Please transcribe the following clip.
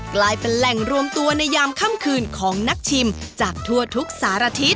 กลายเป็นแหล่งรวมตัวในยามค่ำคืนของนักชิมจากทั่วทุกสารทิศ